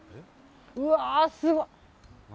うわ、すごい！